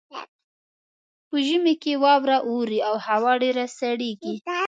په ژمي کې واوره اوري او هوا ډیره سړیږي